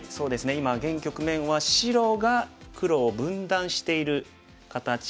今現局面は白が黒を分断している形で。